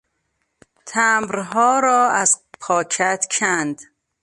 تمبرها را از پاکت کند.